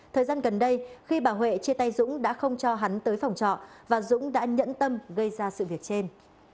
thời gian gần đây khi bà huệ chia tay dũng đã không cho hắn tới phòng trọ và dũng đã nhẫn tâm gây ra sự việc trên